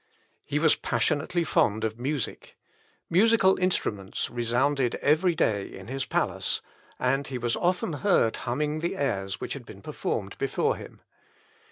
He was passionately fond of music. Musical instruments resounded every day in his palace; and he was often heard humming the airs which had been performed before him.